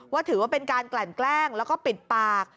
ถือว่าเป็นการกลั่นแกล้งแล้วก็ปิดปาก